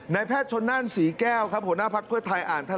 ในแพทย์ชนนั่นสีแก้วครับหัวหน้าพักเพื่อไทยอ่านแถลงการ